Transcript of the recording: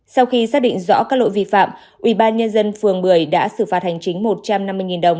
sau khi xác định rõ các lỗi vi phạm ủy ban nhân dân phường bưởi đã xử phạt hành chính một trăm năm mươi đồng